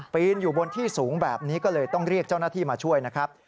นอยู่บนที่สูงแบบนี้ก็เลยต้องเรียกเจ้าหน้าที่มาช่วยนะครับ